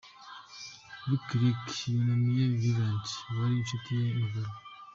Lick Lick yunamiye Vivant wari inshuti ye magara.